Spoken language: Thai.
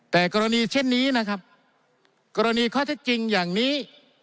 แต่กรณีเช่นนี้นะครับกรณีข้อเท็จจริงอย่างนี้